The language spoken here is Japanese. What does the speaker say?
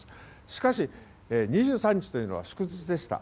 しかし、２３日というのは祝日でした。